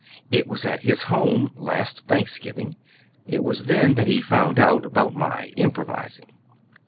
It was at his home last Thanksgiving. It was then that he found out about my improvising."